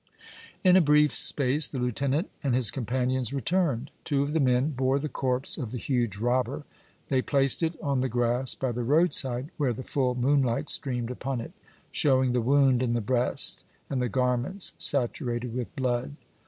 In a brief space the lieutenant and his companions returned; two of the men bore the corpse of the huge robber; they placed it on the grass by the roadside where the full moonlight streamed upon it, showing the wound in the breast and the garments saturated with blood.